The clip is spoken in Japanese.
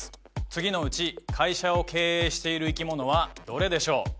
次のうち会社を経営している生き物はどれでしょう